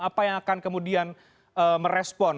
apa yang akan kemudian merespon